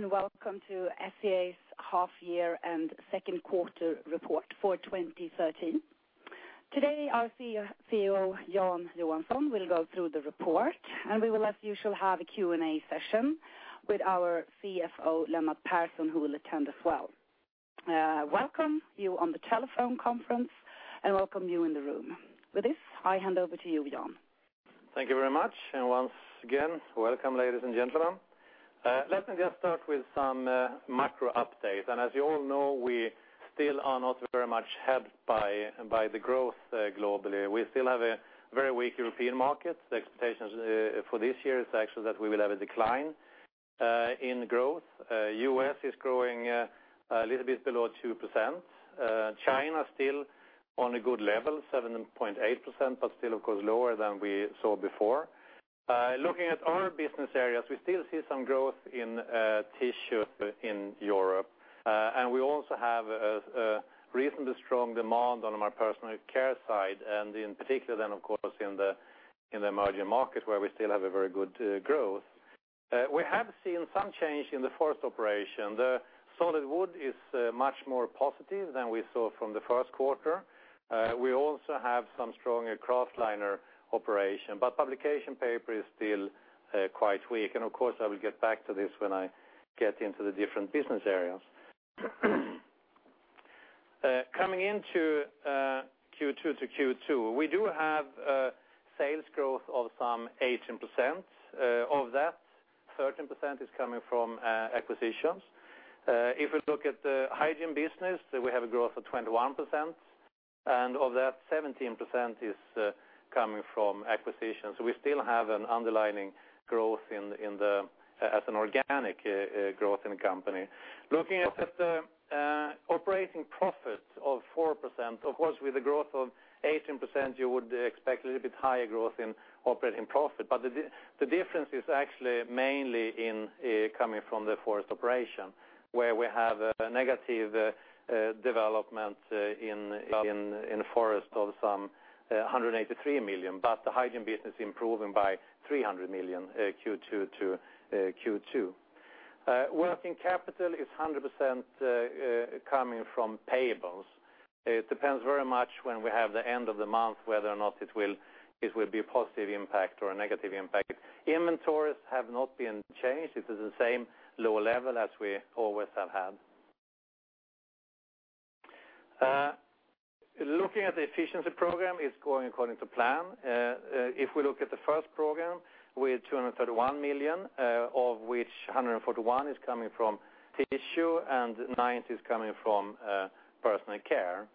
Hello, welcome to SCA's half-year and second quarter report for 2013. Today, our CEO, Jan Johansson, will go through the report. We will, as usual, have a Q&A session with our CFO, Lennart Persson, who will attend as well. Welcome you on the telephone conference. Welcome you in the room. With this, I hand over to you, Jan. Thank you very much. Once again, welcome, ladies and gentlemen. Let me just start with some macro updates. As you all know, we still are not very much helped by the growth globally. We still have a very weak European market. The expectations for this year is actually that we will have a decline in growth. U.S. is growing a little bit below 2%. China still on a good level, 7.8%, but still, of course, lower than we saw before. Looking at our business areas, we still see some growth in tissue in Europe. We also have a reasonably strong demand on our personal care side, and in particular, of course, in the emerging markets where we still have a very good growth. We have seen some change in the forest operation. The solid wood is much more positive than we saw from the first quarter. We also have some stronger kraftliner operation, but publication paper is still quite weak. Of course, I will get back to this when I get into the different business areas. Coming into Q2 to Q2, we do have sales growth of some 18%. Of that, 13% is coming from acquisitions. If we look at the hygiene business, we have a growth of 21%, and of that, 17% is coming from acquisitions. We still have an underlying growth as an organic growth in the company. Looking at the operating profit of 4%, of course, with a growth of 18%, you would expect a little bit higher growth in operating profit. The difference is actually mainly coming from the forest operation, where we have a negative development in forest of some 183 million, but the hygiene business improving by 300 million Q2 to Q2. Working capital is 100% coming from payables. It depends very much when we have the end of the month, whether or not it will be a positive impact or a negative impact. Inventories have not been changed. It is the same low level as we always have had. Looking at the efficiency program, it's going according to plan. If we look at the first program with 231 million, of which 141 is coming from tissue and 90 is coming from personal care.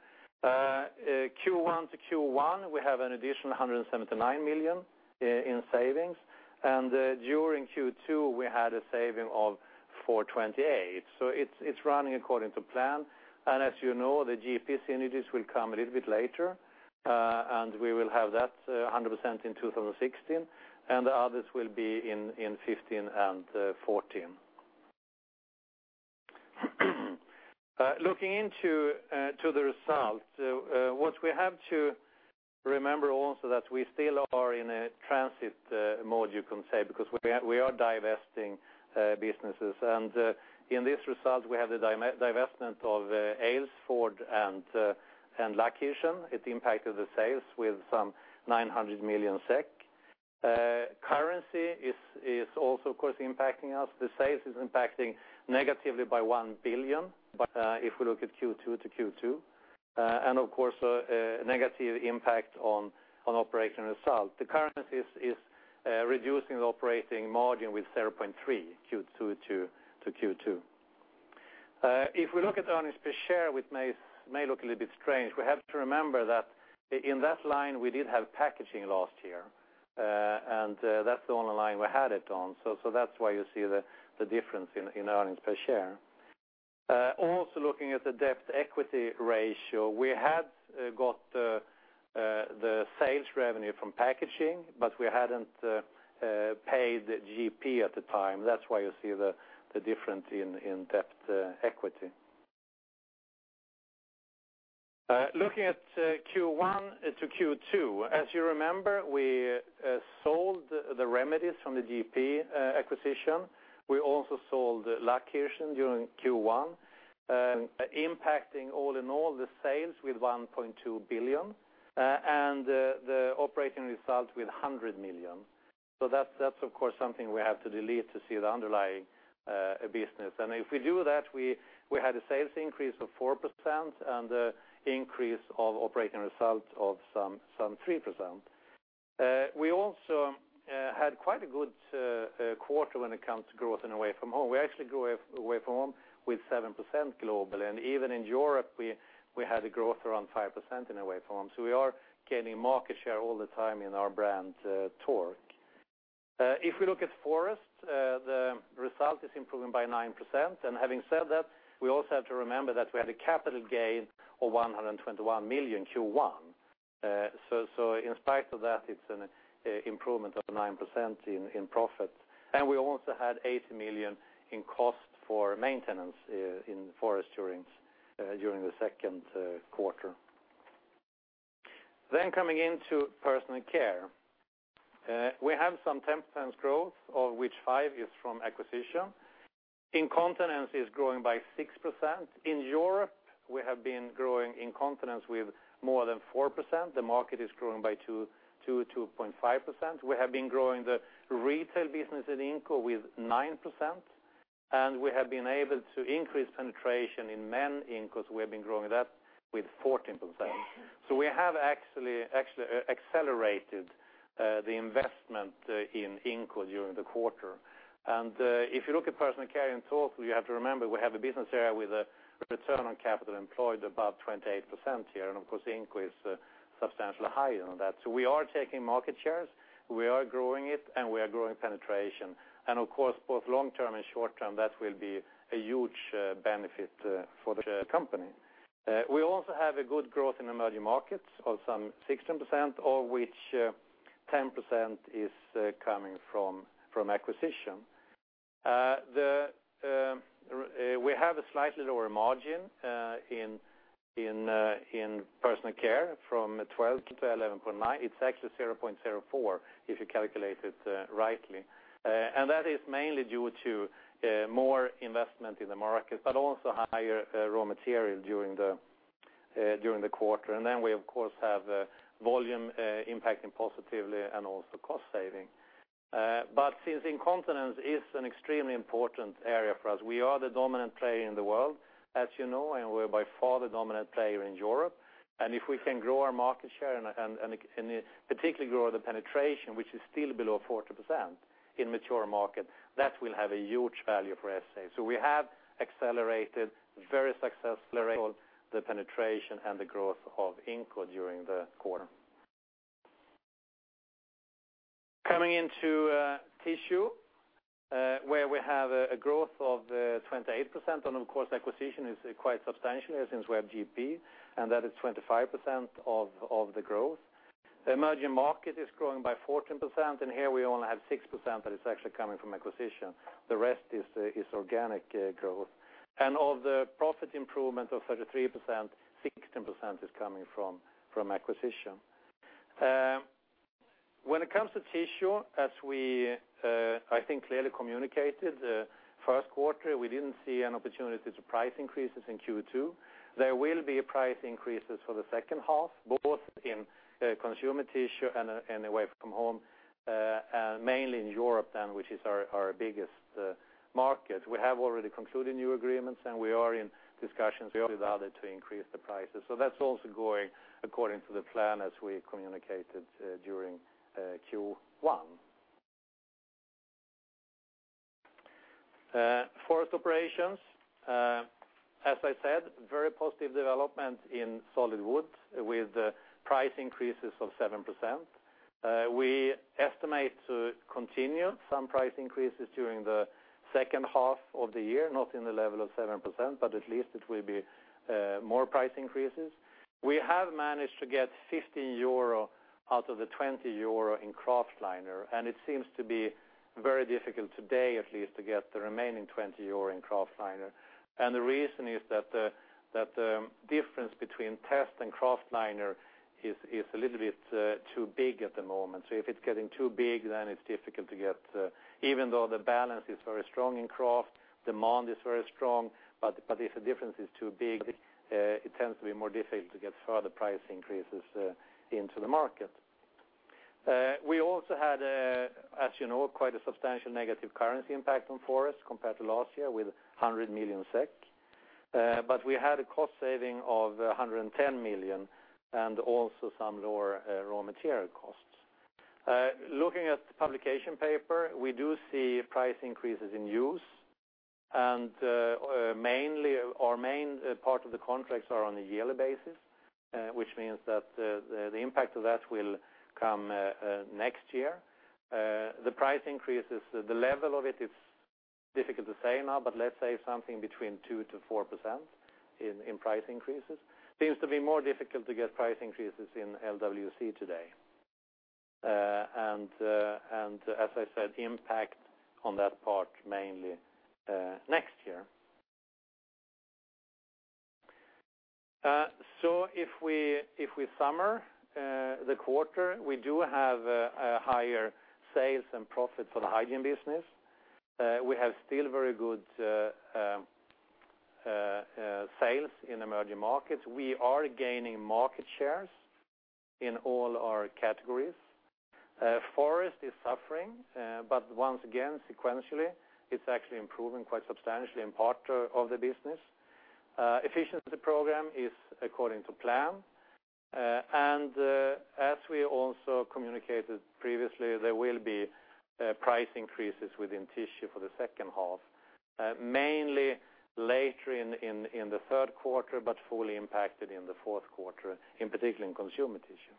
Q1 to Q1, we have an additional 179 million in savings, and during Q2, we had a saving of 428. It's running according to plan. As you know, the Georgia-Pacific synergies will come a little bit later, and we will have that 100% in 2016, and the others will be in 2015 and 2014. Looking into the results, what we have to remember also that we still are in a transit mode, you can say, because we are divesting businesses. In this result, we have the divestment of Aylesford and Laakirchen. It impacted the sales with 900 million SEK. Currency is also, of course, impacting us. The sales is impacting negatively by 1 billion, if we look at Q2 to Q2, and of course, a negative impact on operational result. The currency is reducing the operating margin with 0.3% Q2 to Q2. If we look at earnings per share, which may look a little bit strange, we have to remember that in that line, we did have packaging last year, and that's the only line we had it on. That's why you see the difference in earnings per share. Looking at the debt-to-equity ratio, we had got the sales revenue from packaging, we hadn't paid Georgia-Pacific at the time. That's why you see the difference in debt-to-equity. Looking at Q1 to Q2, as you remember, we sold the remedies from the Georgia-Pacific acquisition. We also sold Laakirchen during Q1, impacting all in all the sales with 1.2 billion and the operating result with 100 million. That's of course something we have to delete to see the underlying business. If we do that, we had a sales increase of 4% and increase of operating result of 3%. We also had quite a good quarter when it comes to growth in away from home. We actually grew away from home with 7% globally, even in Europe, we had a growth 5% in away from home. We are gaining market share all the time in our brand Tork. If we look at forest, the result is improving by 9%. Having said that, we also have to remember that we had a capital gain of 121 million Q1. In spite of that, it's an improvement of 9% in profit. We also had 80 million in cost for maintenance in forest during the second quarter. Coming into personal care. We have 10% growth, of which 5% is from acquisition. Incontinence is growing by 6%. In Europe, we have been growing incontinence with more than 4%. The market is growing by 2%-2.5%. We have been growing the retail business in Inco with 9%, and we have been able to increase penetration in men Inco. We have been growing that with 14%. We have actually accelerated the investment in Inco during the quarter. If you look at personal care in total, you have to remember we have a business area with a return on capital employed 28% here, of course, Inco is substantially higher than that. We are taking market shares, we are growing it, and we are growing penetration. Of course, both long-term and short-term, that will be a huge benefit for the company. We also have a good growth in emerging markets of 16%, of which 10% is coming from acquisition. We have a slightly lower margin in personal care from 12%-11.9%. It's actually 0.04%, if you calculate it rightly. That is mainly due to more investment in the market, also higher raw material during the quarter. We, of course, have volume impacting positively and also cost saving. Since incontinence is an extremely important area for us, we are the dominant player in the world, as you know, and we're by far the dominant player in Europe. If we can grow our market share and particularly grow the penetration, which is still below 40% in mature markets, that will have a huge value for SCA. We have accelerated very successfully the penetration and the growth of Inco during the quarter. Coming into tissue, where we have a growth of 28%, and of course, acquisition is quite substantial since we have Georgia-Pacific, and that is 25% of the growth. The emerging market is growing by 14%, and here we only have 6%, but it's actually coming from acquisition. The rest is organic growth. Of the profit improvement of 33%, 16% is coming from acquisition. When it comes to tissue, as we, I think, clearly communicated first quarter, we didn't see an opportunity to price increases in Q2. There will be price increases for the second half, both in consumer tissue and away from home, mainly in Europe, which is our biggest market. We have already concluded new agreements, and we are in discussions with others to increase the prices. That's also going according to the plan as we communicated during Q1. Forest operations. As I said, very positive development in solid wood with price increases of 7%. We estimate to continue some price increases during the second half of the year, not in the level of 7%, but at least it will be more price increases. We have managed to get 15 euro out of the 20 euro in kraftliner, and it seems to be very difficult today, at least, to get the remaining 20 euro in kraftliner. The reason is that the difference between testliner and kraftliner is a little bit too big at the moment. If it's getting too big, then it's difficult to get. Even though the balance is very strong in kraft, demand is very strong, but if the difference is too big, it tends to be more difficult to get further price increases into the market. We also had, as you know, quite a substantial negative currency impact on forest compared to last year with 100 million SEK. We had a cost saving of 110 million and also some lower raw material costs. Looking at the publication paper, we do see price increases in use, and our main part of the contracts are on a yearly basis, which means that the impact of that will come next year. The price increases, the level of it is difficult to say now, but let's say something between 2%-4% in price increases. Seems to be more difficult to get price increases in LWC today. As I said, impact on that part mainly next year. If we summer the quarter, we do have higher sales and profit for the hygiene business. We have still very good sales in emerging markets. We are gaining market shares in all our categories. Forest is suffering, but once again, sequentially, it's actually improving quite substantially in part of the business. Efficiency program is according to plan. As we also communicated previously, there will be price increases within tissue for the second half, mainly later in the third quarter, but fully impacted in the fourth quarter, in particular in consumer tissue.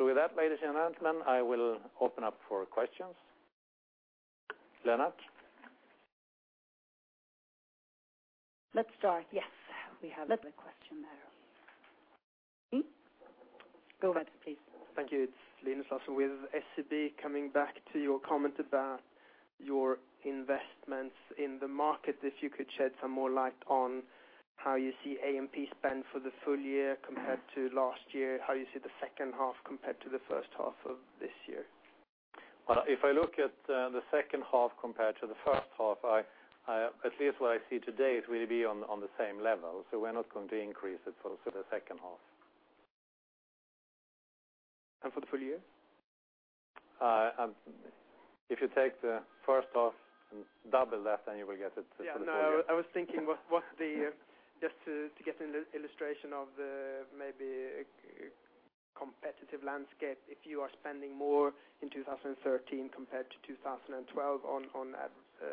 With that, ladies and gentlemen, I will open up for questions. Lennart? Let's start. Yes, we have a question there. Go ahead, please. Thank you. It's Linus Larsson with SEB. Coming back to your comment about Your investments in the market, if you could shed some more light on how you see A&P spend for the full year compared to last year, how you see the second half compared to the first half of this year. Well, if I look at the second half compared to the first half, at least what I see today, it will be on the same level. We're not going to increase it for the second half. For the full year? If you take the first half and double that, then you will get it for the full year. No, I was thinking just to get an illustration of the maybe competitive landscape, if you are spending more in 2013 compared to 2012 on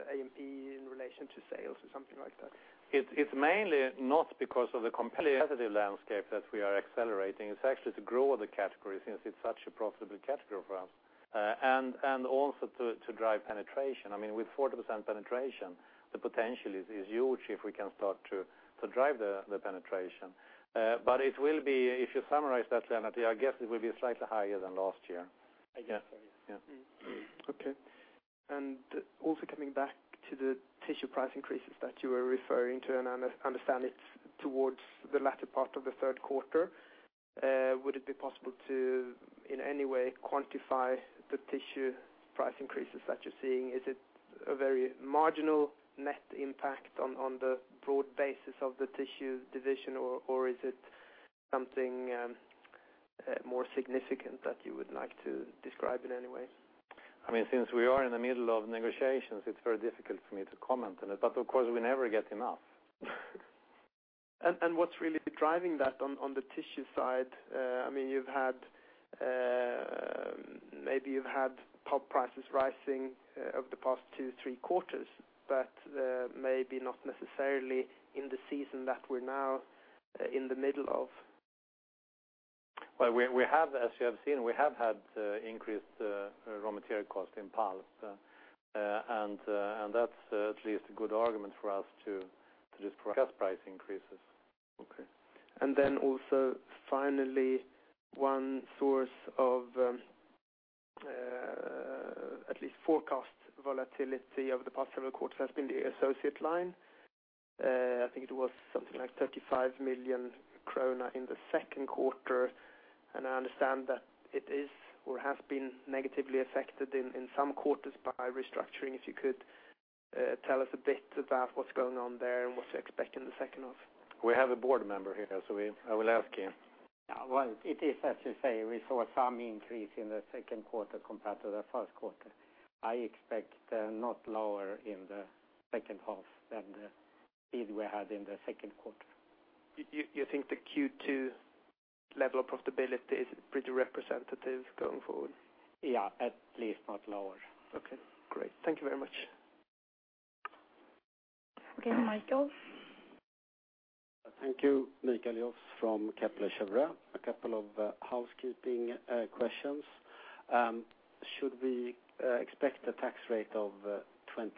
A&P in relation to sales or something like that. It's mainly not because of the competitive landscape that we are accelerating. It's actually to grow the category since it's such a profitable category for us. Also to drive penetration. With 40% penetration, the potential is huge if we can start to drive the penetration. If you summarize that, Lennart, I guess it will be slightly higher than last year. I guess so, yeah. Okay. Also coming back to the tissue price increases that you were referring to, I understand it's towards the latter part of the third quarter. Would it be possible to, in any way, quantify the tissue price increases that you're seeing? Is it a very marginal net impact on the broad basis of the tissue division, or is it something more significant that you would like to describe in any way? Since we are in the middle of negotiations, it's very difficult for me to comment on it. Of course, we never get enough. What's really driving that on the tissue side? You've had pulp prices rising over the past two, three quarters, but maybe not necessarily in the season that we're now in the middle of. Well, as you have seen, we have had increased raw material cost in pulp. That's at least a good argument for us to just forecast price increases. Okay. Then also, finally, one source of at least forecast volatility over the past several quarters has been the associate line. I think it was something like 35 million krona in the second quarter, and I understand that it is or has been negatively affected in some quarters by restructuring. If you could tell us a bit about what's going on there and what to expect in the second half. We have a board member here, so I will ask him. Well, it is as you say, we saw some increase in the second quarter compared to the first quarter. I expect not lower in the second half than the yield we had in the second quarter. You think the Q2 level of profitability is pretty representative going forward? Yeah, at least not lower. Okay, great. Thank you very much. Okay, Mikael. Thank you. Mikael Jåfs from Kepler Cheuvreux. A couple of housekeeping questions. Should we expect a tax rate of 26%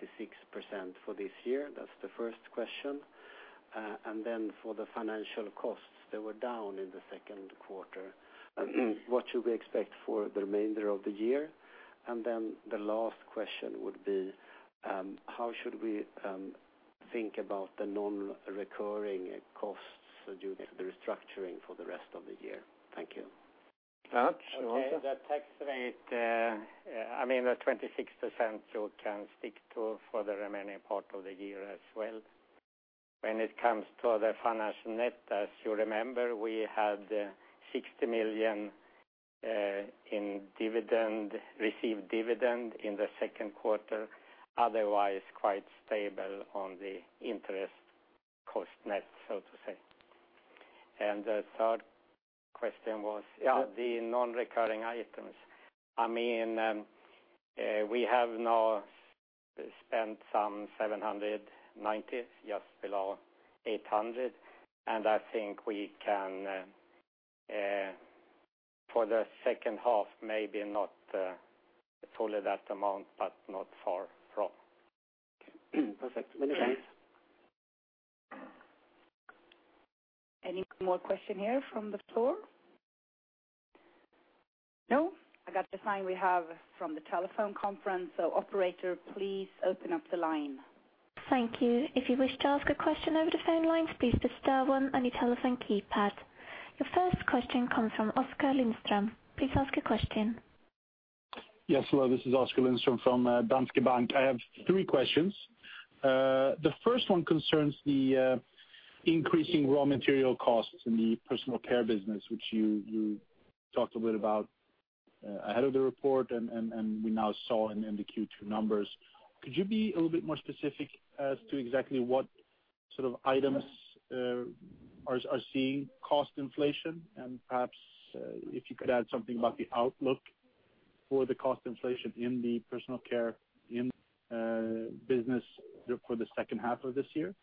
for this year? That's the first question. For the financial costs that were down in the second quarter, what should we expect for the remainder of the year? The last question would be, how should we think about the non-recurring costs due to the restructuring for the rest of the year? Thank you. Lennart, you want to. Okay, the tax rate, the 26% you can stick to for the remaining part of the year as well. When it comes to the financial net, as you remember, we had 60 million in dividend, received dividend in the second quarter, otherwise quite stable on the interest cost net, so to say. The third question was the non-recurring items. We have now spent some 790, just below 800, and I think we can for the second half, maybe not totally that amount, but not far from. Okay, perfect. Any more question here from the floor? No? I got the sign we have from the telephone conference, so operator, please open up the line. Thank you. If you wish to ask a question over the phone lines, please press star one on your telephone keypad. Your first question comes from Oskar Lindström. Please ask your question. Yes, hello, this is Oskar Lindström from Danske Bank. I have three questions. The first one concerns the increasing raw material costs in the personal care business, which you talked a bit about ahead of the report, and we now saw in the Q2 numbers. Perhaps, if you could add something about the outlook for the cost inflation in the personal care business for the second half of this year.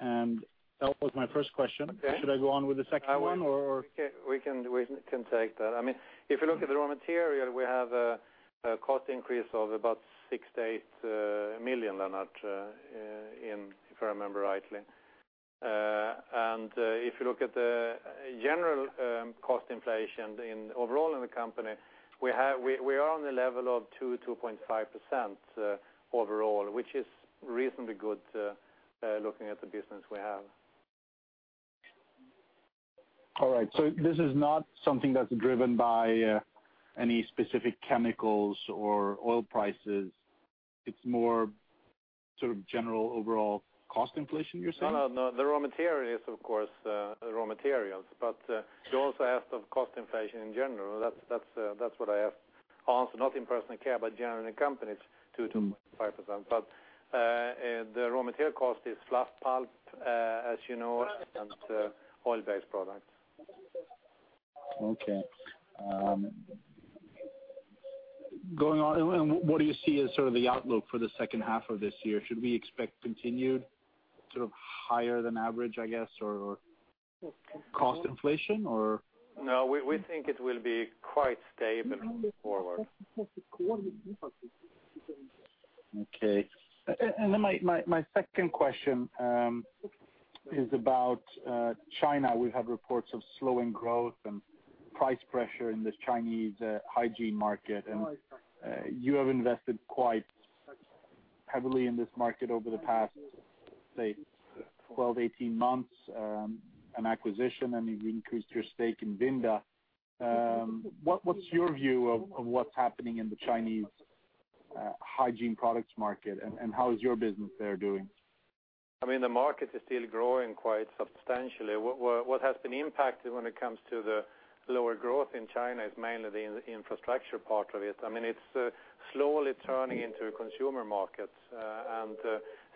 That was my first question. Should I go on with the second one, or- We can take that. If you look at the raw material, we have a cost increase of about 6 million-8 million, Lennart, if I remember rightly. If you look at the general cost inflation overall in the company, we are on the level of 2%-2.5% overall, which is reasonably good looking at the business we have. This is not something that's driven by any specific chemicals or oil prices. It's more general overall cost inflation, you're saying? No. The raw material is, of course, the raw materials. You also asked of cost inflation in general. That's what I answered. Not in personal care, but generally in companies, 2%-2.5%. The raw material cost is fluff pulp, as you know, and oil-based products. Okay. What do you see as the outlook for the second half of this year? Should we expect continued higher than average, I guess, cost inflation or? No, we think it will be quite stable moving forward. My second question is about China. We've had reports of slowing growth and price pressure in the Chinese hygiene market, and you have invested quite heavily in this market over the past, say, 12 to 18 months, an acquisition, and you've increased your stake in Vinda. What's your view of what's happening in the Chinese hygiene products market, and how is your business there doing? The market is still growing quite substantially. What has been impacted when it comes to the lower growth in China is mainly the infrastructure part of it. It's slowly turning into a consumer market.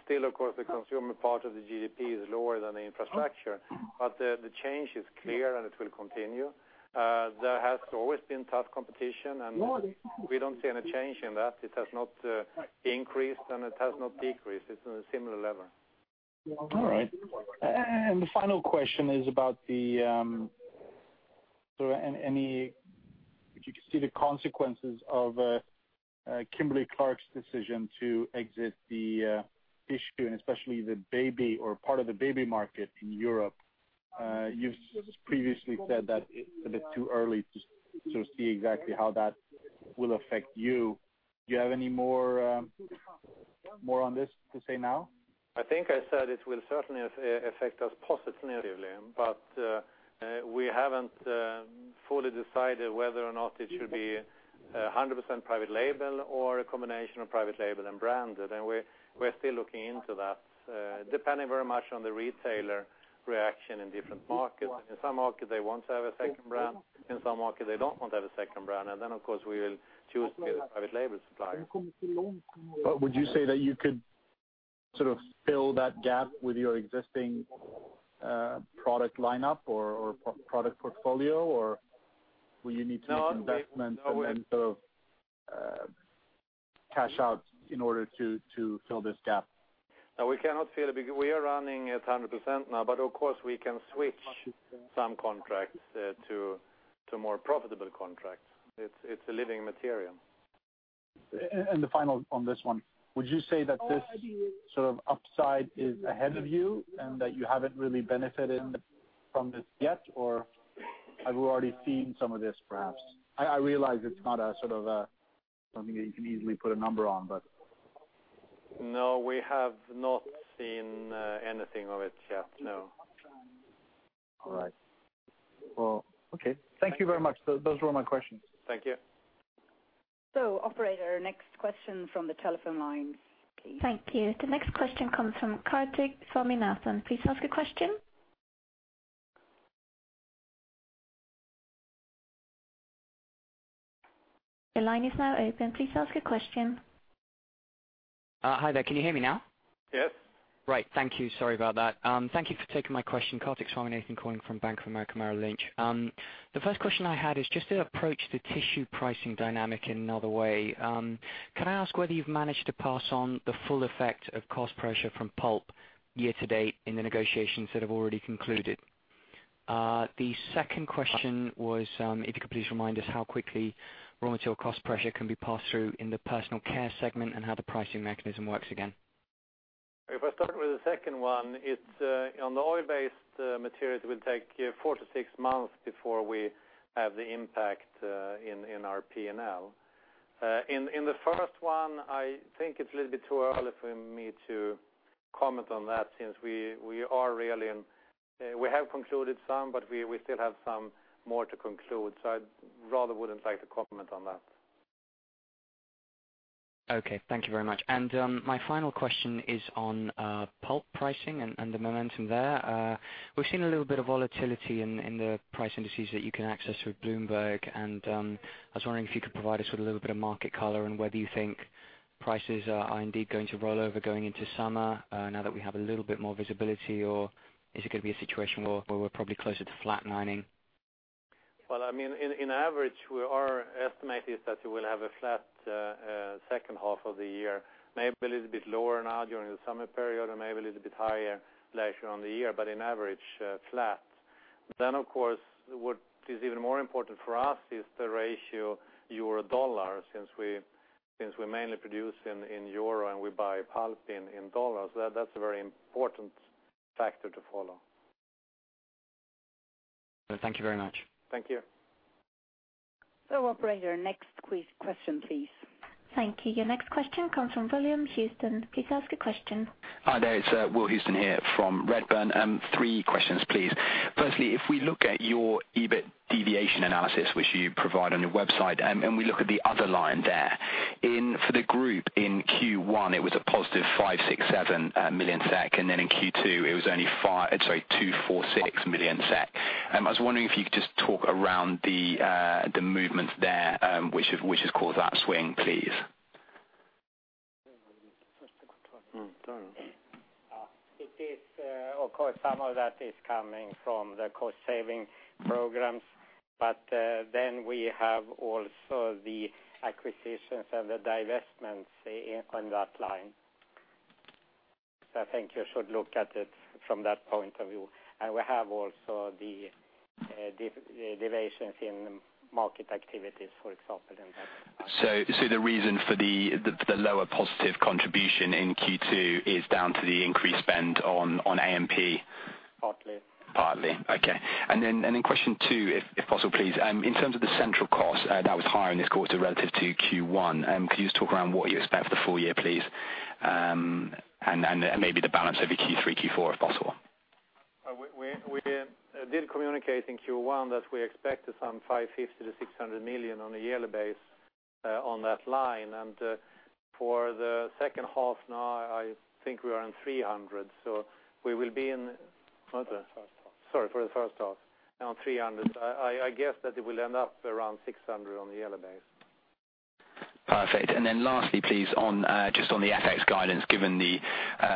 Still, of course, the consumer part of the GDP is lower than the infrastructure. The change is clear, and it will continue. There has always been tough competition, and we don't see any change in that. It has not increased, and it has not decreased. It's in a similar level. All right. The final question is about the consequences of Kimberly-Clark's decision to exit the tissue and especially the baby or part of the baby market in Europe. You've previously said that it's a bit too early to see exactly how that will affect you. Do you have any more on this to say now? I think I said it will certainly affect us positively, but we haven't fully decided whether or not it should be 100% private label or a combination of private label and branded. We're still looking into that, depending very much on the retailer reaction in different markets. In some markets, they want to have a second brand. In some markets, they don't want to have a second brand. Then, of course, we will choose to be the private label supplier. would you say that you could fill that gap with your existing product lineup or product portfolio, or will you need to make investments. No cash out in order to fill this gap? No, we cannot fill it because we are running at 100% now, but of course, we can switch some contracts to more profitable contracts. It's a living material. the final on this one, would you say that this upside is ahead of you and that you haven't really benefited from this yet, or have we already seen some of this, perhaps? I realize it's not something that you can easily put a number on. No, we have not seen anything of it yet, no. All right. Well, okay. Thank you very much. Those were all my questions. Thank you. Operator, next question from the telephone lines, please. Thank you. The next question comes from Kartik Swaminathan. Please ask a question. Your line is now open. Please ask a question. Hi there. Can you hear me now? Yes. Right. Thank you. Sorry about that. Thank you for taking my question. Karthik Swaminathan calling from Bank of America Merrill Lynch. The first question I had is just to approach the tissue pricing dynamic in another way. Can I ask whether you've managed to pass on the full effect of cost pressure from pulp year to date in the negotiations that have already concluded? The second question was, if you could please remind us how quickly raw material cost pressure can be passed through in the personal care segment and how the pricing mechanism works again. If I start with the second one, on the oil-based materials, it will take four to six months before we have the impact in our P&L. In the first one, I think it's a little bit too early for me to comment on that since we have concluded some, but we still have some more to conclude. I'd rather wouldn't like to comment on that. Okay. Thank you very much. My final question is on pulp pricing and the momentum there. We've seen a little bit of volatility in the price indices that you can access with Bloomberg, and I was wondering if you could provide us with a little bit of market color on whether you think prices are indeed going to roll over going into summer now that we have a little bit more visibility, or is it going to be a situation where we're probably closer to flatlining? Well, in average, our estimate is that we will have a flat second half of the year, maybe a little bit lower now during the summer period or maybe a little bit higher later on the year, but in average, flat. Of course, what is even more important for us is the ratio euro dollar, since we mainly produce in euro and we buy pulp in dollars. That's a very important factor to follow. Thank you very much. Thank you. Operator, next question, please. Thank you. Your next question comes from William Houston. Please ask a question. Hi there. It's Will Houston here from Redburn. Three questions, please. If we look at your EBIT deviation analysis, which you provide on your website, we look at the other line there. For the group in Q1, it was a positive 567 million SEK. In Q2, it was only 246 million SEK. I was wondering if you could just talk around the movements there, which has caused that swing, please. Of course, some of that is coming from the cost-saving programs. We have also the acquisitions and the divestments on that line. I think you should look at it from that point of view. We have also the deviations in market activities, for example, in that. The reason for the lower positive contribution in Q2 is down to the increased spend on A&P? Partly. Partly. Okay. Then question 2, if possible, please. In terms of the central cost that was higher in this quarter relative to Q1, can you just talk around what you expect for the full year, please, and maybe the balance over Q3, Q4, if possible? We did communicate in Q1 that we expect some 550 million-600 million on a yearly base on that line. For the second half, now I think we are on 300 million. Sorry, for the first half on 300 million. I guess that it will end up around 600 million on a yearly base. Perfect. Then lastly, please, just on the FX guidance, given the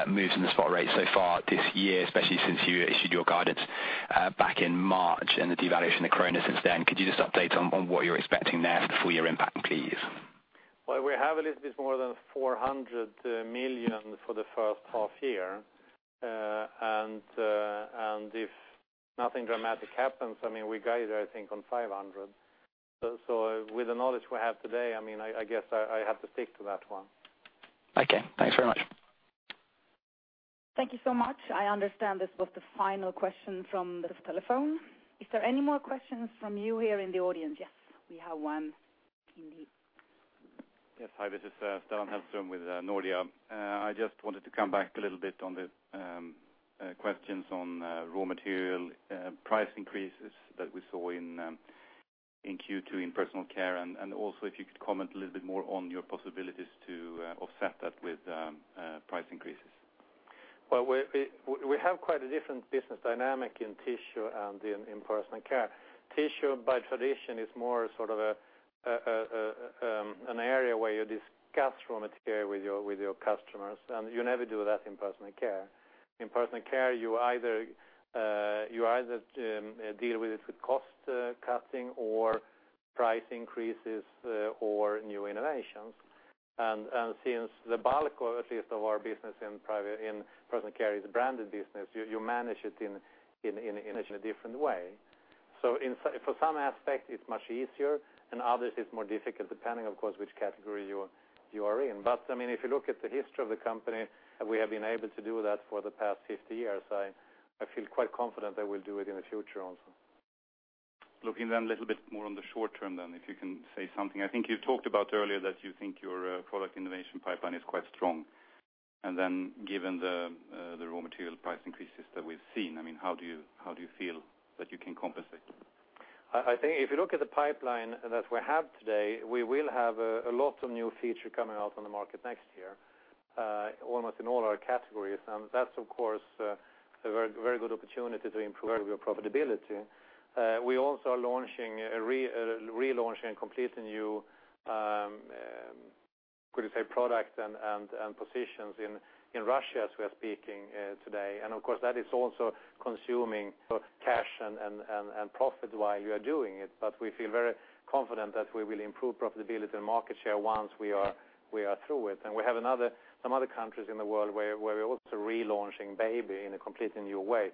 moves in the spot rate so far this year, especially since you issued your guidance back in March and the devaluation of the krona since then. Could you just update on what you're expecting there for the full year impact, please? Well, we have a little bit more than 400 million for the first half year. If nothing dramatic happens, we guide, I think on 500. With the knowledge we have today, I guess I have to stick to that one. Okay. Thanks very much. Thank you so much. I understand this was the final question from the telephone. Is there any more questions from you here in the audience? Yes, we have one indeed. Yes. Hi, this is Stellan Hellström with Nordea. I just wanted to come back a little bit on the questions on raw material price increases that we saw in Q2 in personal care. Also if you could comment a little bit more on your possibilities to offset that with price increases. Well, we have quite a different business dynamic in tissue and in personal care. Tissue, by tradition, is more sort of an area where you discuss raw material with your customers, and you never do that in personal care. In personal care, you either deal with it with cost cutting or price increases or new innovations. Since the bulk, at least of our business in personal care is a branded business, you manage it in a different way. For some aspect, it's much easier, and others it's more difficult, depending, of course, which category you are in. If you look at the history of the company, we have been able to do that for the past 50 years. I feel quite confident that we'll do it in the future also. Looking then a little bit more on the short term then, if you can say something. I think you talked about earlier that you think your product innovation pipeline is quite strong. Given the raw material price increases that we've seen, how do you feel that you can compensate? I think if you look at the pipeline that we have today, we will have a lot of new feature coming out on the market next year almost in all our categories. That's of course a very good opportunity to improve your profitability. We also are relaunching a completely new, could you say, product and positions in Russia as we are speaking today. Of course, that is also consuming cash and profit while you are doing it. We feel very confident that we will improve profitability and market share once we are through with. We have some other countries in the world where we're also relaunching baby in a completely new way.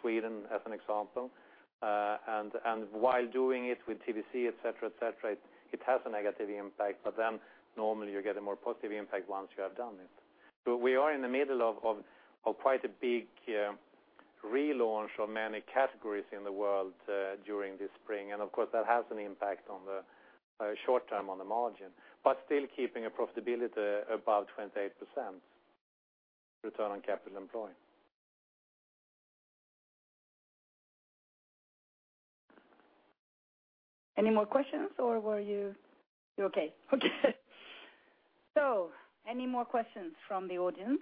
Sweden, as an example. While doing it with TBC, et cetera, it has a negative impact, normally you get a more positive impact once you have done it. We are in the middle of quite a big relaunch of many categories in the world during this spring. Of course, that has an impact on the short term on the margin, but still keeping a profitability above 28% return on capital employed. Any more questions, You're okay? Okay. Any more questions from the audience?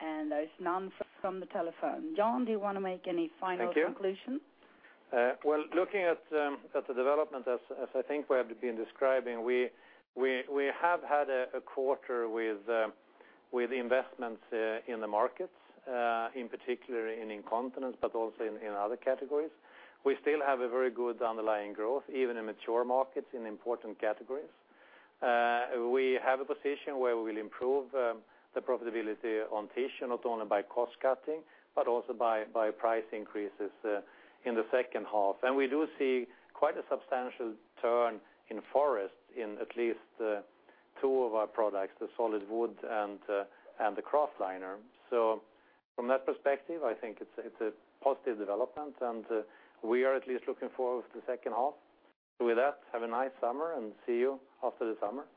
There is none from the telephone. Jan, do you want to make any final conclusions? Thank you. Well, looking at the development as I think we have been describing, we have had a quarter with investments in the markets, in particular in incontinence, but also in other categories. We still have a very good underlying growth, even in mature markets, in important categories. We have a position where we will improve the profitability on tissue, not only by cost cutting, but also by price increases in the second half. We do see quite a substantial turn in forest in at least two of our products, the solid wood and the kraftliner. From that perspective, I think it's a positive development, and we are at least looking forward to the second half. With that, have a nice summer and see you after the summer.